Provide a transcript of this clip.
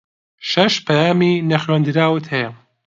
شەش پەیامی نەخوێندراوت ھەیە.